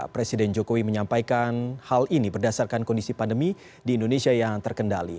presiden jokowi menyampaikan hal ini berdasarkan kondisi pandemi di indonesia yang terkendali